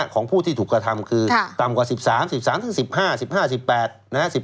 ของผู้ที่ถูกกระทำคือต่ำกว่า๑๓๑๓๑๕๑๕๑๘นะฮะ